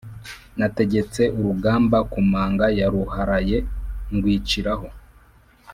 Nategetse urugamba ku manga ya Ruharaye ndwiciraho.